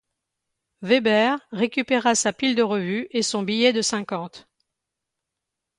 Weber récupéra sa pile de revues et son billet de cinquante.